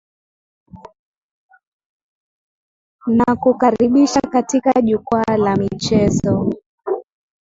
nakukaribisha katika jukwaa la michezo